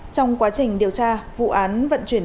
trong quá trình điều tra vụ án vận chuyển